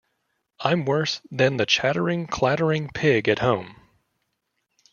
I'm worse than the chattering, clattering pig at home!